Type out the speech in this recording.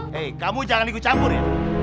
hei kamu jangan ikut campur ya